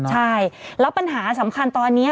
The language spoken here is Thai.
ใช่แล้วปัญหาสำคัญตอนนี้